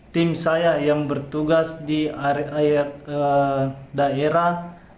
tim saya yang bertugas di daerah